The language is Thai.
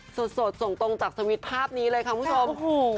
สดส่งตรงจากสวิตช์ภาพนี้เลยค่ะคุณผู้ชม